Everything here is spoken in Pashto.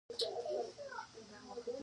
د تور بانجان کښت څنګه دی؟